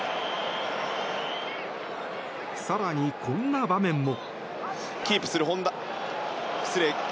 更に、こんな場面も。